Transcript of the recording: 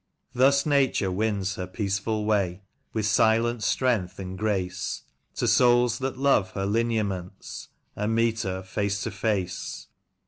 •••••••• Thus Nature wins her peaceful way, with silent strength and grace, To souls that love her lineaments, and meet her face to face.